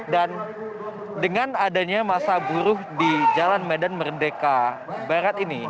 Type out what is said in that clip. dan dengan adanya massa buruh di jalan medan merdeka barat ini